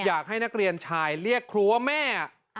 อยากให้นักเรียนชายเรียกครูว่าแม่